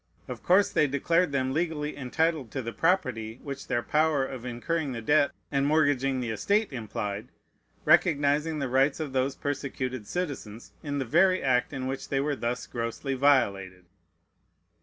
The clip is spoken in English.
Of course they declared them legally entitled to the property which their power of incurring the debt and mortgaging the estate implied: recognizing the rights of those persecuted citizens in the very act in which they were thus grossly violated.